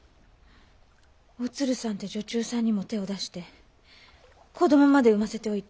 おつるさんって女中さんにも手を出して子どもまで産ませておいて。